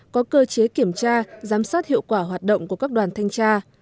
có cơ chế kiểm tra giám sát hiệu quả hoạt động của các đoàn thanh tra